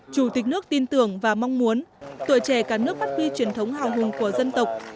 chủ tịch nước tin tưởng và mong muốn tuổi trẻ cả nước phát huy truyền thống hào hùng của dân tộc